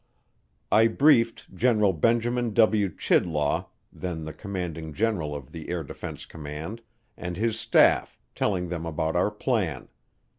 I briefed General Benjamin W. Chidlaw, then the Commanding General of the Air Defense Command, and his staff, telling them about our plan.